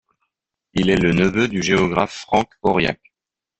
Il est le neveu du géographe Franck Auriac.